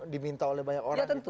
diminta oleh banyak orang